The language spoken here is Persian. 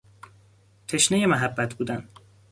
تشنهی محبت بودن